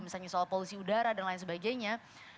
misalnya soal polusi udara dan lain sebagainya